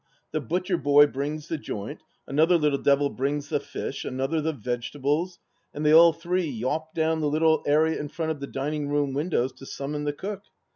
The butcher boy brings the joint, another little devil brings the fish, another the vegetables, and they all three yaup down the little area in front of the dining room windows to summon the cook.